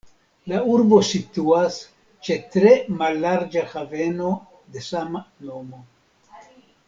La urbo situas ĉe tre mallarĝa haveno de sama nomo.